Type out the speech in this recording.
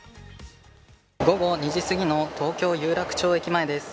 午後２時すぎの東京・有楽町駅前です。